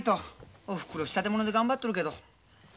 おふくろ仕立物で頑張っとるけど。